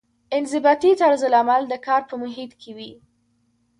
انضباطي طرزالعمل د کار په محیط کې وي.